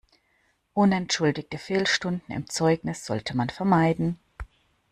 Unentschuldigte Fehlstunden im Zeugnis sollte man vermeiden.